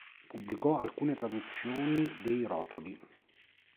Pubblicò alcune traduzioni dei rotoli.